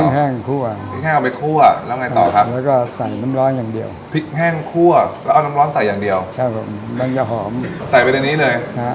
มันไงต่อคะแล้วก็สั่งน้ำร้อนอย่างเดียวพริกแห้งคั่วแล้วเอาน้ำร้อนใส่อย่างเดียวครับผมมันจะหอมใส่ไปในนี้เลยฮะ